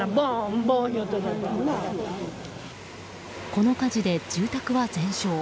この火事で住宅は全焼。